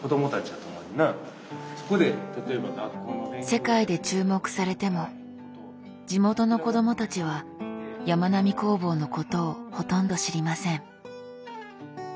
世界で注目されても地元の子どもたちはやまなみ工房のことをほとんど知りません。